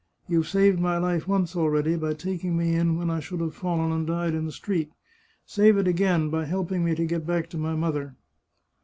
You've saved my life once already by taking me in when I should have fallen and died in the street. Save it again by helping me to get back to my mother."